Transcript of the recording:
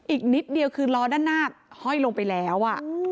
อีกนิดเดียวคือล้อด้านหน้าห้อยลงไปแล้ว